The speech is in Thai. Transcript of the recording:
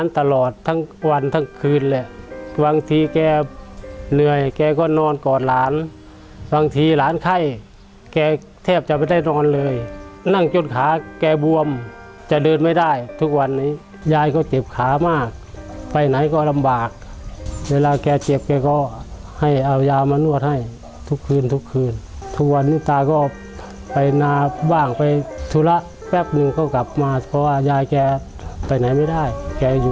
ตลอดทั้งวันทั้งคืนแหละบางทีแกเหนื่อยแกก็นอนกอดหลานบางทีหลานไข้แกแทบจะไม่ได้นอนเลยนั่งจนขาแกบวมจะเดินไม่ได้ทุกวันนี้ยายก็เจ็บขามากไปไหนก็ลำบากเวลาแกเจ็บแกก็ให้เอายามานวดให้ทุกคืนทุกคืนทุกวันนี้ตาก็ไปนาบ้างไปธุระแป๊บนึงก็กลับมาเพราะว่ายายแกไปไหนไม่ได้แกอยู่